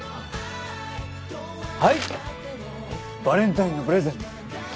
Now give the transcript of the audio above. バレンタインのプレゼント。